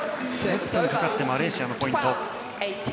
ネットにかかってマレーシアのポイント。